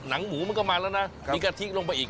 หนังหมูมันก็มาแล้วนะมีกะทิลงไปอีก